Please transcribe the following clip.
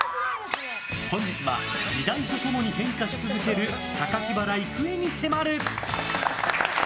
本日は時代と共に変化し続ける榊原郁恵に迫る！